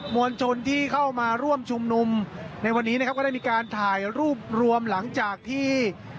วลชนที่เข้ามาร่วมชุมนุมในวันนี้นะครับก็ได้มีการถ่ายรูปรวมหลังจากที่